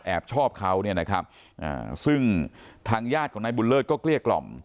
ชอบเขาเนี่ยนะครับซึ่งทางญาติของนายบุญเลิศก็เกลี้ยกล่อม